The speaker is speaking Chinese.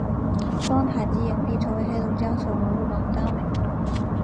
双塔及影壁成为黑龙江省文物保护单位。